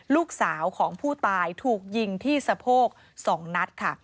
ลูกสาวของผู้ตายถูกยิงที่สะโพก๒นัดค่ะ